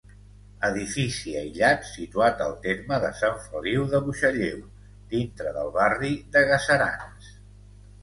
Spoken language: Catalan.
Edifici aïllat, situat al terme de Sant Feliu de Buixalleu, dintre del barri de Gaserans.